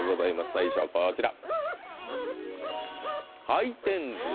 最初はこちら。